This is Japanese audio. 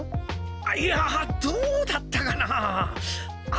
いやどうだったかなあ。